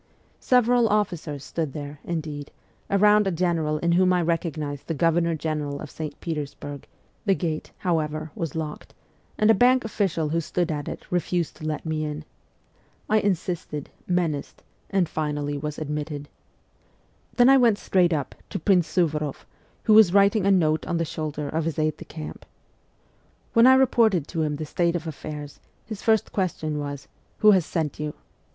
Several officers stood there, indeed, around a general in whom I recognized the Governor General of St. Petersburg, Prince Suvoroff. The gate, however, was locked, and a Bank official who stood at it refused to let me in. I insisted, menaced, and finally was admitted. Then I went straight up to Prince Suvoroff, who was writing a note on the shoulder of his aide de camp. When I reported to him the state of affairs, his first question was, ' Who has sent you